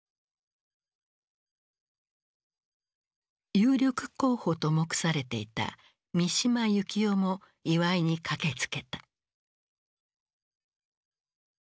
有力候補と目されていた三島由紀夫も祝いに駆けつけた。